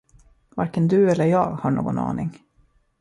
Varken du eller jag har någon aning.